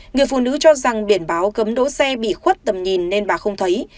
người phụ nữ cho rằng biển báo cấm đỗ xe bị khuất tầm nhìn nên bà không thấy